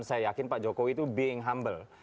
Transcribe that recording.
dan saya yakin pak jokowi itu being humble